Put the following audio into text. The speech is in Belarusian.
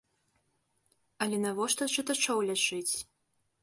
Але навошта чытачоў лячыць?